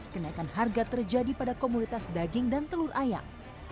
kenaikan harga terjadi pada komunitas daging dan telur ayam